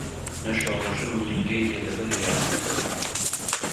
نە شۆڕەژن ورینگەی دێ لەبەر بێر